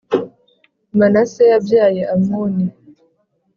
Manase yabyaye Amoni,